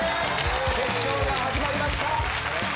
決勝が始まりました。